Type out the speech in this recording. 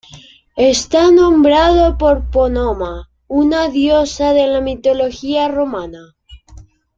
Está nombrado por Pomona, una diosa de la mitología romana.